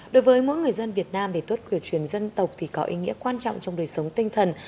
đối với mỗi người dân việt nam về tốt cổ truyền dân tộc thì có ý nghĩa quan trọng trong đời sống tinh thần